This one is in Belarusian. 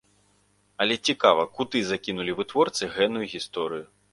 Але цікава, куды закінулі вытворцы гэную гісторыю.